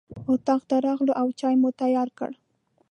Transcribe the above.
اطاق ته راغلو او چای مو تیار کړ.